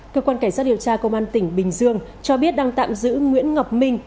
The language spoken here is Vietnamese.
cơ quan cảnh sát điều tra công an tỉnh bình dương cho biết đang tạm giữ nguyễn ngọc minh